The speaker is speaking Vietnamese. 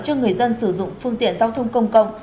cho người dân sử dụng phương tiện giao thông công cộng